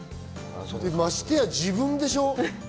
ましてや自分でしょ？